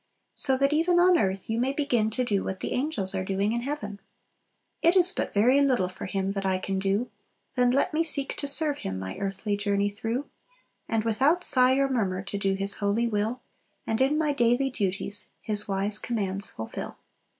So that even on earth you may begin to do what the angels are doing in heaven! "It is but very little For Him that I can do, Then let me seek to serve Him, My earthly journey through; And, without sigh or murmur, To do His holy will; And in my daily duties His wise commands fulfill."